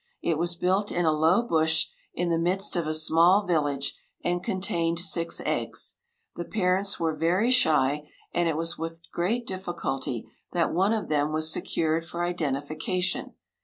It was built in a low bush, in the midst of a small village, and contained six eggs. The parents were very shy, and it was with great difficulty that one of them was secured for identification.